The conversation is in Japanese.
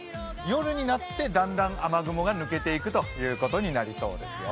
夜になってだんだん雨雲が抜けていくということになりそうですよ。